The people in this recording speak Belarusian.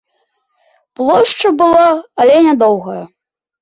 Плошча была, але нядоўга.